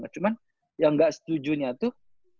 cuman yang gak setujunya tuh